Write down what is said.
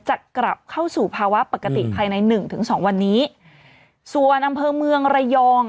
จะกลับเข้าสู่ภาวะปกติภายในหนึ่งถึงสองวันนี้ส่วนอำเภอเมืองระยอง